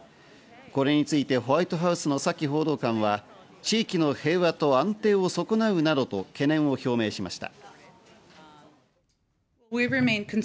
これについてホワイトハウスのサキ報道官は地域の平和と安定を損なうなどと懸念を表明しました。